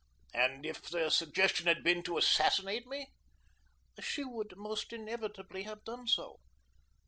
"And if the suggestion had been to assassinate me?" "She would most inevitably have done so."